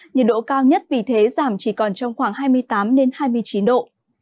nhiệt độ cao nhất vì thế giảm chỉ còn trong khoảng hai mươi tám hai mươi chín độ